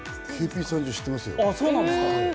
ＫＰ−３０、知ってますよ。